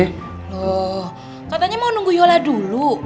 loh katanya mau nunggu yola dulu